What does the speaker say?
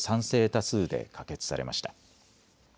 多数で可決されました。